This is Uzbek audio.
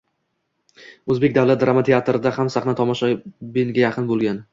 O‘zbek Davlat drama teatrida ham sahna tomoshabinga yaqin bo‘lgan.